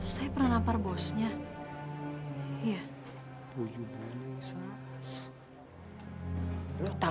saya sepertinya pernah liat laki laki itu